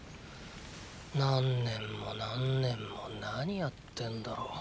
何年も何年も何やってんだろ。